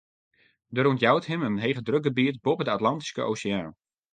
Der ûntjout him in hegedrukgebiet boppe de Atlantyske Oseaan.